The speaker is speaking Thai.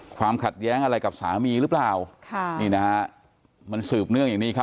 ความขัดแย้งอะไรกับสามีหรือเปล่าค่ะนี่นะฮะมันสืบเนื่องอย่างนี้ครับ